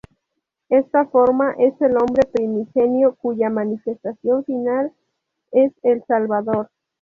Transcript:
Esta forma es el hombre primigenio, cuya manifestación final es el Salvador.